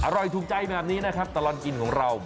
ถูกใจแบบนี้นะครับตลอดกินของเรา